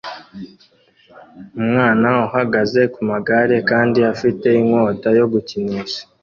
Umwana uhagaze kumagare kandi afite inkota yo gukinisha